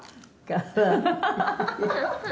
ハハハハ！」